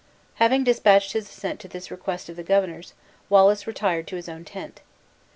Having dispatched his assent to this request of the governor's, Wallace retired to his own tent.